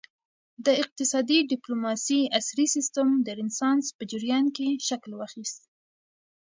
د اقتصادي ډیپلوماسي عصري سیسټم د رینسانس په جریان کې شکل واخیست